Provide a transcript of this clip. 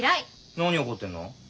何怒ってんの？